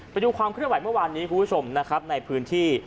ไปดูความเคลื่อนไหวเมื่อวานนี้คุณผู้ชมนะครับในพื้นที่